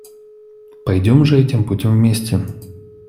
Пойдем же этим путем вместе.